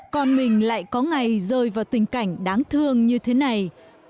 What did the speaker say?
còn mình lại có ngày rơi vào tình cảnh đáng thương như thế này